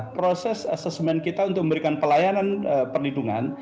proses asesmen kita untuk memberikan pelayanan perlindungan